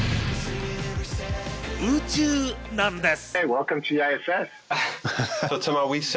宇宙なんです。